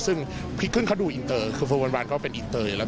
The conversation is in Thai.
ซึ่งพี่กึ้งเขาดูอินเตอร์คือโฟวันก็เป็นอินเตอร์อยู่แล้ว